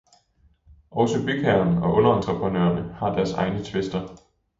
Også bygherren og underentreprenørerne har deres egne tvister.